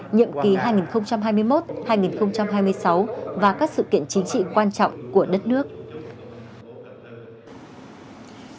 nhiệm kỳ hai nghìn hai mươi một hai nghìn hai mươi sáu và các sự kiện chính trị quan trọng của đất nước